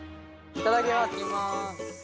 ・いただきます